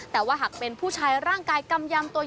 แต่ว่าหากเป็นผู้ชายร่างกายกำยำตัว